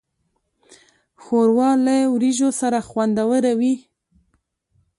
ښوروا له وریژو سره خوندوره وي.